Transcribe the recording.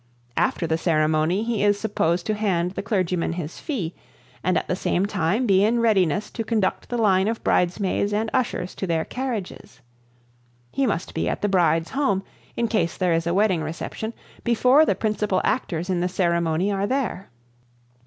After the ceremony he is supposed to hand the clergyman his fee, and at the same time be in readiness to conduct the line of bridesmaids and ushers to their carriages. He must be at the bride's home, in case there is a wedding reception, before the principal actors in the ceremony are there.